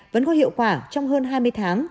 vẫn có hiệu quả trong hơn hai mươi tháng